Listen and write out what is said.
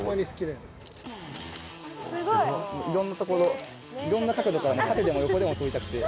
いろんな所いろんな角度から縦でも横でも撮りたくて。